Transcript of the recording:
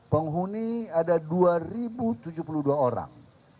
penghuni ada dua tujuh puluh dua orang